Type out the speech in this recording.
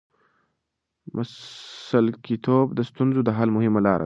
مسلکیتوب د ستونزو د حل مهمه لار ده.